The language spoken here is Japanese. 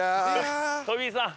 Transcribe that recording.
トミーさん。